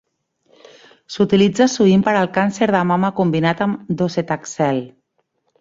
S'utilitza sovint per al càncer de mama combinat amb Docetaxel.